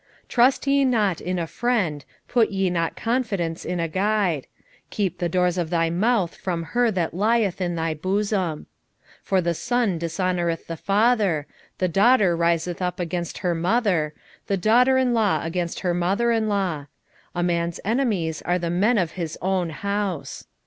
7:5 Trust ye not in a friend, put ye not confidence in a guide: keep the doors of thy mouth from her that lieth in thy bosom. 7:6 For the son dishonoureth the father, the daughter riseth up against her mother, the daughter in law against her mother in law; a man's enemies are the men of his own house.